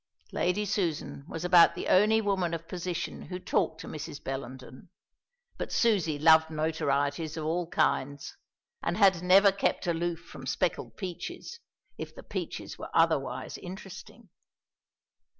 Lady Susan was about the only woman of position who talked to Mrs. Bellenden; but Susie loved notorieties of all kinds, and had never kept aloof from speckled peaches, if the peaches were otherwise interesting.